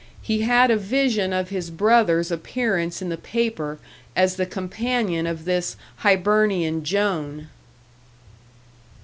He had a vision of his brother's appearance in the paper as the companion of this Hibernian Joan!